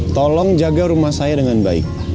tolong jaga rumah saya dengan baik